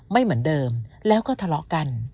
ไม่เหมือนเดิมแล้วก็ทะเลาะกัน